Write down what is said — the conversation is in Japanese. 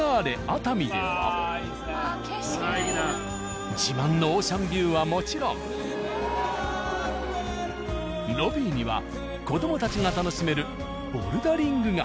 熱海では自慢のオーシャンビューはもちろんロビーには子どもたちが楽しめるボルダリングが。